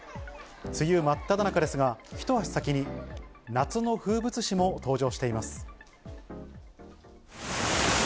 梅雨真っただ中ですが、一足先に夏の風物詩も登場しています。